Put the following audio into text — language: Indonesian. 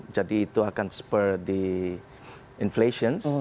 jadi itu akan spur di inflation